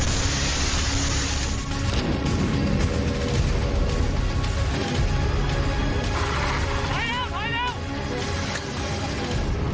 โปรดติดตามตอนต่อไป